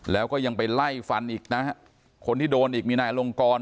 แล้วก็ยังไปไล่ฟันอีกนะฮะคนที่โดนอีกมีนายอลงกร